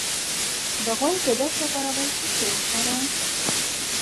د غوږ د درد لپاره باید څه شی وکاروم؟